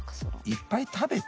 いっぱい食べて？